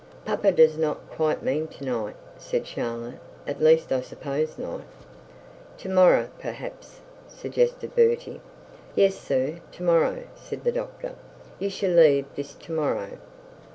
'Papa does not quite mean to night,' said Charlotte, 'at least I suppose not.' 'To morrow perhaps,' suggested Bertie. 'Yes sir, to morrow,' said the doctor. 'You shall leave this to morrow.'